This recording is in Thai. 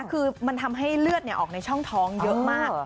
คือมันทำให้เลือดออกในช่องท้องเยอะมาก